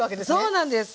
そうなんです。